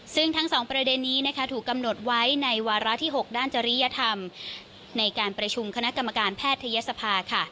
ซึ่งทั้งสองประเด็นนี้ถูกกำหนดไว้ในวาระที่๖ด้านจริยธรรมในการประชุมคณะกรรมการแพทยศภาค่ะ